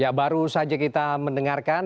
ya baru saja kita mendengarkan